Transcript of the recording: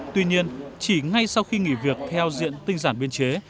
tuy nhiên chỉ ngay sau khi nghỉ việc theo diện tinh giản biên chế